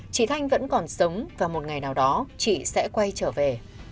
chị thanh vẫn còn sống và một ngày nào đó chị sẽ quay trở về